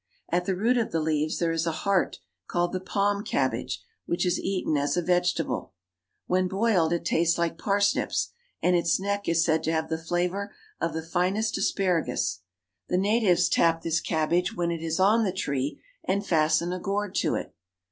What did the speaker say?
At the root of the leaves there is a heart called the palm cabbage, which is eaten as a vegetable. When boiled it tastes like parsnips, and its neck is said to have the flavor of the finest asparagus. The natives tap this cabbage when it is on the tree and fasten a gourd to it.